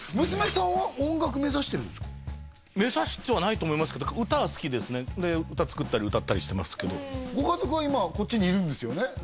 娘さんは音楽目指してるんですか目指してはないと思いますけど歌は好きですね歌作ったり歌ったりしてますけどご家族は今こっちにいるんですよね？